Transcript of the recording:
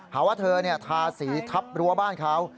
หาว่าเธอทาสีทับรั้วบ้านเขา